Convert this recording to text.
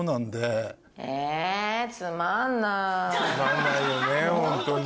つまんないよねホントに。